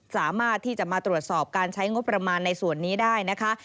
สามารถที่จะมาตรวจสอบการใช้งบประมาณในส่วนนี้ได้นะคะ